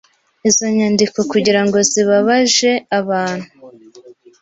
Izo nyandiko kugira ngo zibabaje abantu